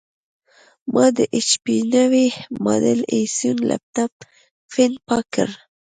ما د ایچ پي نوي ماډل ائ سیون لېپټاپ فین پاک کړ.